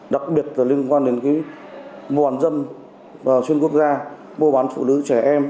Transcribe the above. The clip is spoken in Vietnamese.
đặc biệt là liên quan đến mua bán dâm xuyên quốc gia mua bán phụ nữ trẻ em